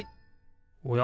おや？